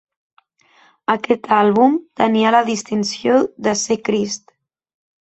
Aquest àlbum tenia la distinció de ser Crist.